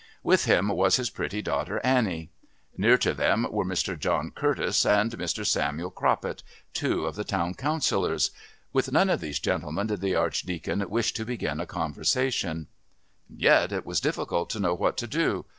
With him was his pretty daughter Annie. Near to them were Mr. John Curtis and Mr. Samuel Croppet, two of the Town Councillors. With none of these gentlemen did the Archdeacon wish to begin a conversation. And yet it was difficult to know what to do.